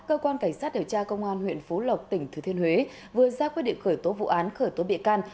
cơ quan cảnh sát điều tra công an huyện phú lộc tỉnh thừa thiên huế vừa ra quyết định khởi tố vụ án khởi tố bị can